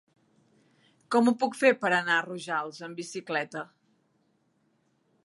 Com ho puc fer per anar a Rojals amb bicicleta?